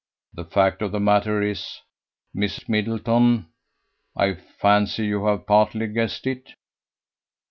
The fact of the matter is, Miss Middleton ... I fancy you have partly guessed it."